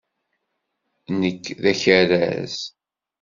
Nekk d akerraz.